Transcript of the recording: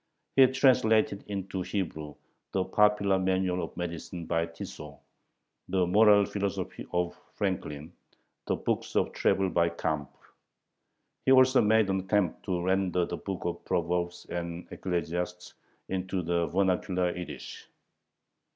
He translated into Hebrew the popular manual of medicine by Tissot, the moral philosophy of Franklin, and the books of travel by Campe. He also made an attempt to render the Book of Proverbs and Ecclesiastes into the vernacular Yiddish.